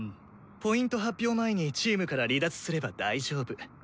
Ｐ発表前にチームから離脱すれば大丈夫。